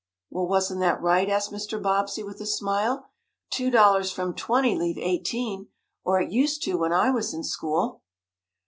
"Well, wasn't that right?" asked Mr. Bobbsey, with a smile. "Two dollars from twenty leave eighteen or it used to when I went to school."